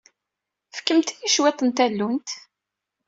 Fkemt-iyi cwiṭ n tallunt.